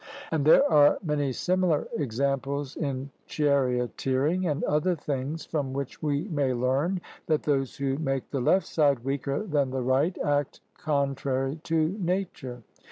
And there are many similar examples in charioteering and other things, from which we may learn that those who make the left side weaker than the right act contrary to nature.